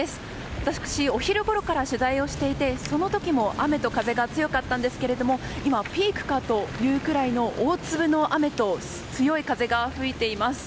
私、お昼ごろから取材をしていてその時も雨と風が強かったんですけれども今、ピークかというくらいの大粒の雨と強い風が吹いています。